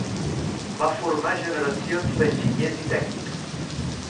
Va formar generacions d'enginyers i tècnics.